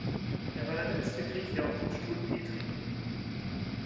Er war der letzte Grieche auf dem Stuhl Petri.